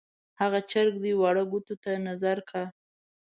هغه چر دی واړه ګوتو ته نظر کا.